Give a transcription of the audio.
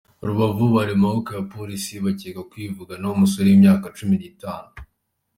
Rubavu Bari mu maboko ya Polisi bakekwaho kwivugana umusore w’imyaka cumi nitanu